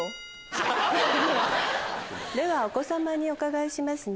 ではお子様にお伺いしますね。